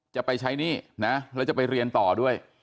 จะไปใช้หนี้นะแล้วจะไปเรียนต่อด้วย